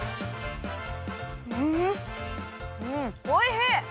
うんおいしい！